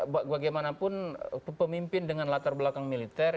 bagaimanapun pemimpin dengan latar belakang militer